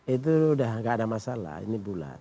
itu udah gak ada masalah ini bulat